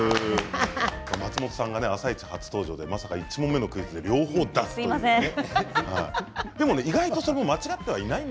松本さんが「あさイチ」初登場でまさか１問目のクイズですいません。